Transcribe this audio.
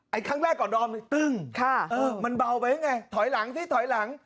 ไอ้ครั้งแรกก่อนดอมตึ้งมันเบาไปไงถอยหลังสิถอยหลัง